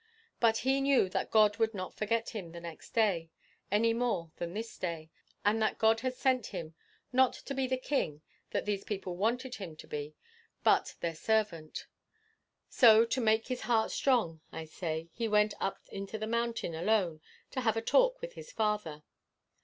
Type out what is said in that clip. But he knew that God would not forget him the next day any more than this day, and that God had sent him not to be the king that these people wanted him to be, but their servant. So, to make his heart strong, I say, he went up into the mountain alone to have a talk with his Father.